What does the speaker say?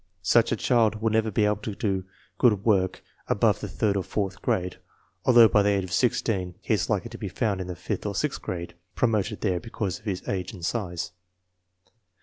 Such a child will never be able to do good work above the third or fourth grade, although by the age of sixteen he is likely to be found in the fifth or sixth grade, promoted there because of age and size.